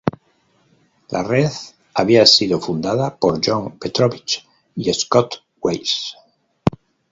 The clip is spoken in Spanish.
La red había sido fundada por Jon Petrovich y Scott Weiss.